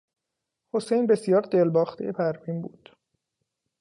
حسین بسیار دلباختهی پروین بود.